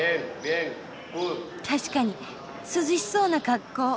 確かに涼しそうな格好。